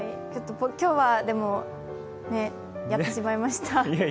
今日は、やってしまいました。